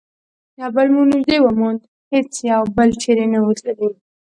یو بل مو نژدې وموند، هیڅ یو بل چیري نه وو تللي.